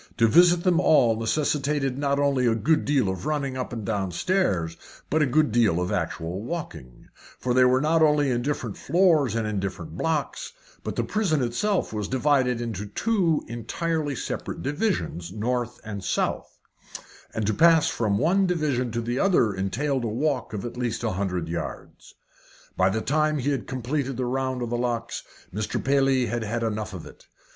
To visit them all necessitated not only a good deal of running up and down stairs, but a good deal of actual walking; for they were not only in different floors and in different blocks, but the prison itself was divided into two entirely separate divisions north and south and to pass from one division to the other entailed a walk of at least a hundred yards. By the time he had completed the round of the locks, Mr. Paley had had about enough of it.